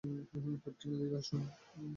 Captain, এদিকে আসুন।